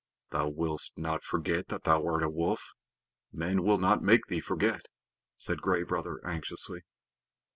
"Thou wilt not forget that thou art a wolf? Men will not make thee forget?" said Gray Brother anxiously.